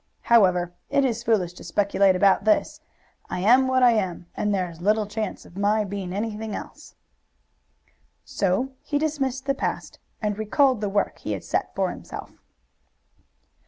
However, it is foolish to speculate about this. I am what I am, and there is little chance of my being anything else." So he dismissed the past, and recalled the work he had set for himself.